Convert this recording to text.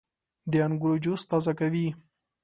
• د انګورو جوس تازه کوي.